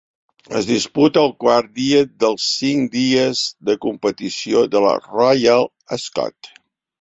Es disputa el quart dia dels cinc dies de competició de la "Royal Ascot".